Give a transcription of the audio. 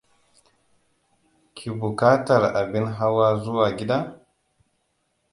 Ki buƙatar abin hawa zuwa gida?